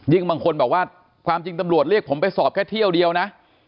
บางคนบอกว่าความจริงตำรวจเรียกผมไปสอบแค่เที่ยวเดียวนะ